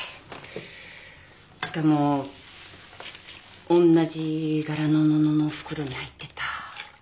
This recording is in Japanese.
しかもおんなじ柄の布の袋に入ってた。